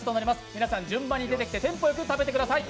皆さん順番に出てきてテンポ良く食べてください